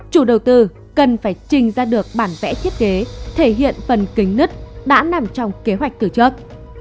chủ đầu tư cần phải trình ra được bản vẽ thiết kế thể hiện phần kính nứt đã nằm trong kế hoạch từ trước